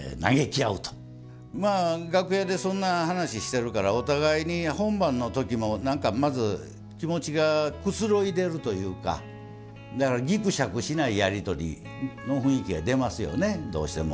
まあ楽屋でそんな話してるからお互いに本番の時も何かまず気持ちがくつろいでるというかだからぎくしゃくしないやり取りの雰囲気が出ますよねどうしても。